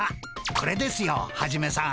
これですよハジメさん。